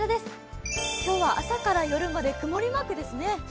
今日は朝から夜まで雲リマークですね。